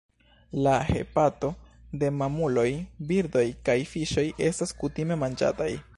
La hepato de mamuloj, birdoj kaj fiŝoj estas kutime manĝataj.